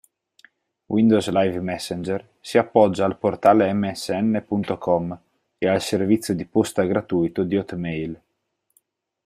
Windows Live Messenger si appoggia al portale MSN.com e al servizio di posta gratuito di Hotmail.